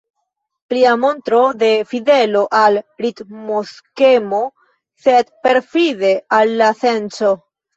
Plia montro de fidelo al ritmoskemo, sed perfide al la senco.